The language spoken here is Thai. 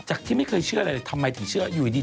ที่ไม่เคยเชื่อเลยทำไมถึงเชื่ออยู่ดี